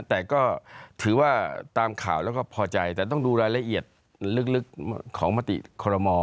แต่ก็ถือว่าตามข่าวแล้วก็พอใจแต่ต้องดูรายละเอียดลึกของมติคอรมอ